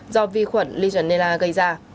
do vi khuẩn legionella gây ra